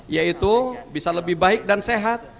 yaitu bisa lebih baik dan sehat